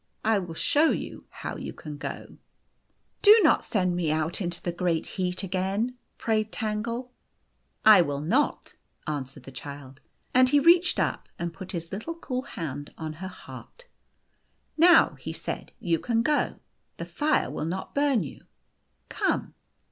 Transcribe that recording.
I will show you how you can go." " Do not send me out into the great heat again," prayed Tangle. 208 The Golden Key " I will not," answered the Child. And he reached up, and put his little cool hand on her heart. " Now," he said, " you can go. The fire will not burn you. Come."